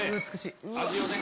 味をね。